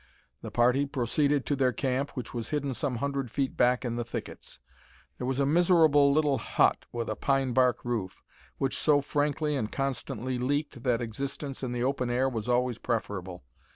The party proceeded to their camp, which was hidden some hundred feet back in the thickets. There was a miserable little hut with a pine bark roof, which so frankly and constantly leaked that existence in the open air was always preferable.